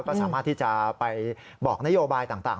ก็สามารถที่จะไปบอกนโยบายต่าง